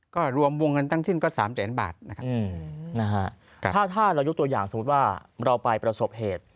ก็รวมวงเงินทั้งสิ้นก็๓แสนบาทนะครับถ้าเรายกตัวอย่างสมมุติว่าเราไปประสบเหตุ